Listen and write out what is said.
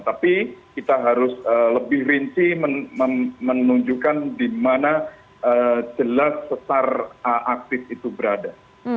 tapi kita harus lebih rinci menunjukkan di mana jelas sesar aktif itu berada